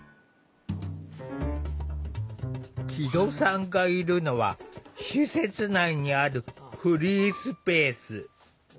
木戸さんがいるのは施設内にあるフリースペース。